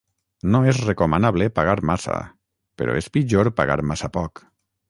No és recomanable pagar massa, però és pitjor pagar massa poc.